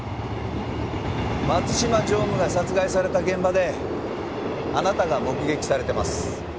松島常務が殺害された現場であなたが目撃されています。